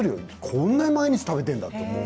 こんなに毎日食べているんだと。